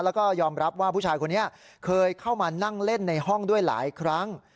แล้วก็ยอมรับว่าผู้ชายคนนี้เคยเข้ามานั่งเล่นในห้องด้วยหลายครั้ง